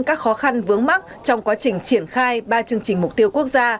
các khó khăn vướng mắt trong quá trình triển khai ba chương trình mục tiêu quốc gia